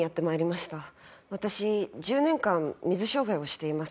私１０年間水商売をしています。